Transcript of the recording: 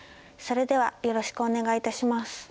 それではよろしくお願い致します。